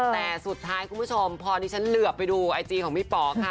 แต่สุดท้ายคุณผู้ชมพอดิฉันเหลือไปดูไอจีของพี่ป๋อค่ะ